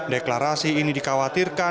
deklarasi ini dikhawatirkan